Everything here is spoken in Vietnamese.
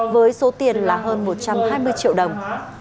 với số tiền là hơn một trăm hai mươi triệu đồng